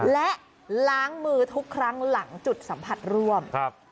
และล้างมือทุกครั้งหลังจุดสัมผัสร่วมครับ